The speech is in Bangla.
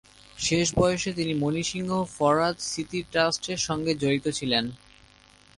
শেষ বয়সে তিনি মণি সিংহ-ফরহাদ স্মৃতি ট্রাস্টের সঙ্গে জড়িত ছিলেন।